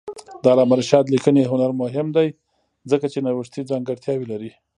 د علامه رشاد لیکنی هنر مهم دی ځکه چې نوښتي ځانګړتیاوې لري.